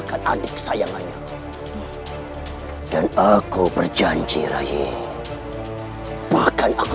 karena hanya kaulah yang bisa mewujudkan semua impianku raka